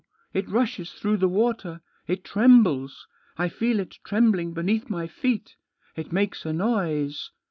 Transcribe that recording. It rushes through the water ; it trembles, I feel it trembling beneath my feet; it makes a noise."